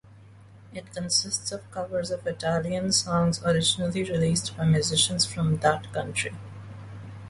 It consists of covers of Italian songs originally released by musicians from that country.